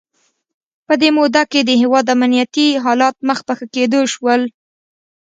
په دې موده کې د هیواد امنیتي حالات مخ په ښه کېدو شول.